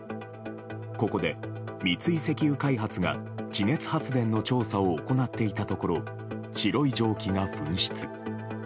ここで、三井石油開発が地熱発電の調査を行っていたところ白い蒸気が噴出。